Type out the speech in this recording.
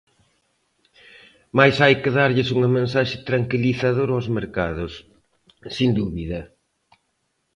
Mais hai que darlles unha mensaxe tranquilizadora aos mercados, sen dúbida.